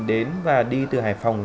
đến và đi từ hải phòng